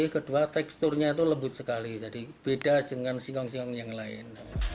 kedua teksturnya itu lembut sekali jadi beda dengan singkong singkong yang lain